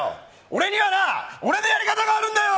俺には俺のやり方があるんだよ！